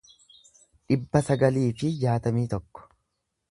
dhibba sagalii fi jaatamii tokko